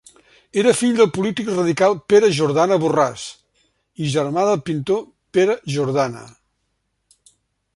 Era fill del polític radical Pere Jordana Borràs, i germà del pintor Pere Jordana.